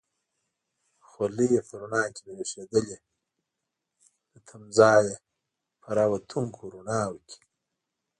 خولۍ یې په رڼا کې برېښېدلې، له تمځای نه په را وتونکو رڼاوو کې.